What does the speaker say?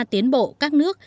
tiến bộ các nước